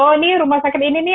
oh ini rumah sakit ini nih